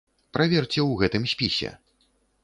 Праверце ў гэтым спісе.